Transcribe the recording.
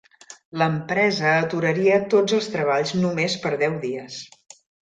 L'empresa aturaria tots els treballs només per deu dies.